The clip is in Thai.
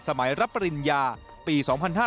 สมัยรับปริญญาปี๒๕๕๓